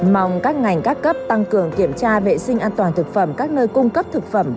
mong các ngành các cấp tăng cường kiểm tra vệ sinh an toàn thực phẩm các nơi cung cấp thực phẩm